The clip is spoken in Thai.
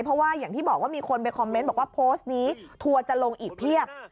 เพราะว่าอย่างที่บอกว่ามีคนไปคอมเมนต์บอกว่าโพสต์นี้ทัวร์จะลงอีกเพียบ